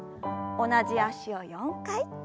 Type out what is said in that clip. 同じ脚を４回。